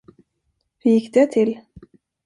Hur gick det till?